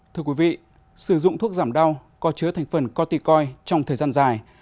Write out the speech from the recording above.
thưa quý vị sử dụng thuốc giảm đau có chứa thành phần corticoin trong thời gian dài